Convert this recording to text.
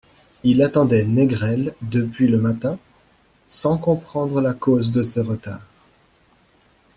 Il attendait Négrel depuis le matin, sans comprendre la cause de ce retard.